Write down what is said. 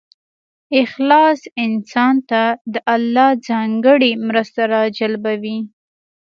اخلاص انسان ته د الله ځانګړې مرسته راجلبوي.